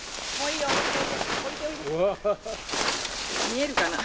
見えるかな？